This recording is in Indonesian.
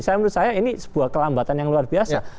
saya menurut saya ini sebuah kelambatan yang luar biasa